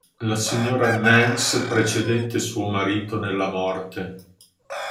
La signora Nance precedette suo marito nella morte.